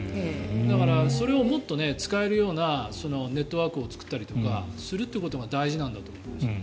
だから、それをもっと使えるようなネットワークを作ったりすることが大事なんだと思います。